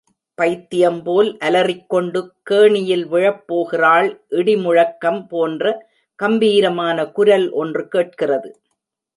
பைத்தியம் போல் அலறிக்கொண்டு கேணியில் விழப்போகிறாள் இடி முழக் கம் போன்ற கம்பீரமான குரல் ஒன்று கேட்கிறது.